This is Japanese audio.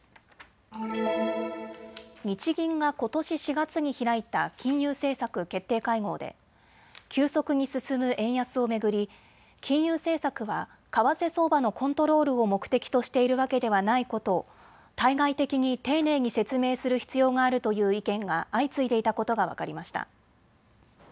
日銀がことし４月に開いた金融政策決定会合で急速に進む円安を巡り金融政策は為替相場のコントロールを目的としているわけではないことを対外的に丁寧に説明する必要があるという意見が相次いでいたことが分かりました。